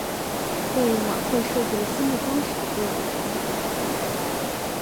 为晚会设计了新的装饰和舞台。